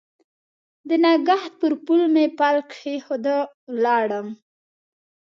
د نګهت پر پل مې پل کښېښوی ولاړم